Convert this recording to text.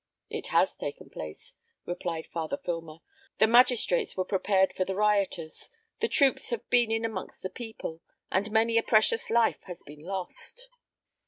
"It has taken place," replied Father Filmer; "the magistrates were prepared for the rioters; the troops have been in amongst the people, and many a precious life has been lost."